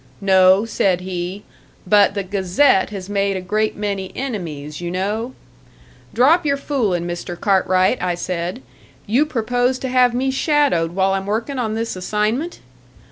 'No,' said he; 'but the Gazette has made a great many enemies, you know.' 'Drop your fooling, Mr. Cartwright,' I said. 'You propose to have me shadowed while I'm working on this assignment?'